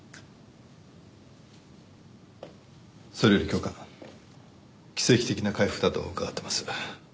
それより教官奇跡的な回復だと伺ってます。